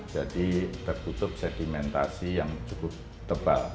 jadi terkutuk sedimentasi yang cukup tebal